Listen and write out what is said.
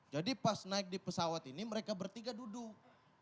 jadi pas naik di pesawat ini mereka bertiga duduk